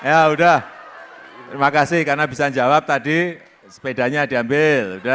ya udah terima kasih karena bisa jawab tadi sepedanya diambil